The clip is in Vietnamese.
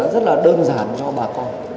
rất là đơn giản cho bà con